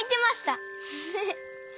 フフフ。